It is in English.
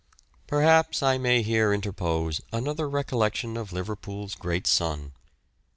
Perhaps I may here interpose another recollection of Liverpool's great son.